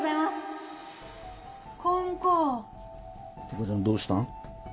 お母ちゃんどうしたん？